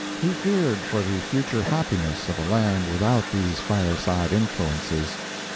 He feared for the future happiness of a land without these fireside influences.